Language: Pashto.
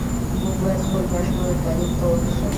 موږ باید خپل ماشومان تعلیم ته وهڅوو.